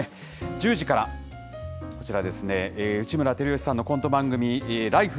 １０時から、こちらですね、内村光良さんのコント番組、ＬＩＦＥ！